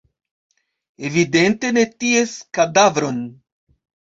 Evidente ne ties kadavron.